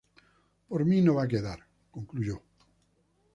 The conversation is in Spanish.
Por mí no va a quedar", concluyó.